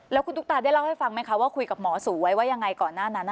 แล้วคุณตุ๊กตาได้เล่าให้ฟังไหมคะว่าคุยกับหมอสูไว้ว่ายังไงก่อนหน้านั้น